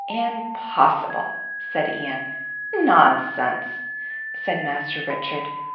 "Impossible," said Ian. "Nonsense," said Master Richard.